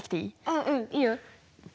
あうんいいよ。